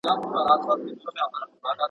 ښوونکی د زده کوونکي ذهن روزي.